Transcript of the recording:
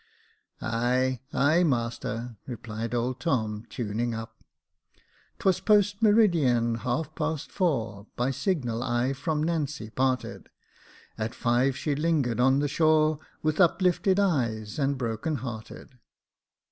" Ay, ay, master," replied old Tom, tuning up —" 'Twas post meridian, half past four, By signal I from Nancy parted, At five she lingered on the shore, With uplift eyes and broken hearted."